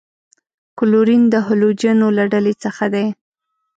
کلورین د هلوجنو له ډلې څخه دی.